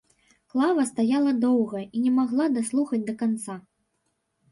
Клава стаяла доўга і не магла даслухаць да канца.